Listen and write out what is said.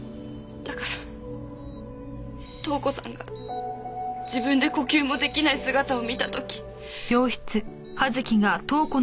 だから塔子さんが自分で呼吸も出来ない姿を見た時。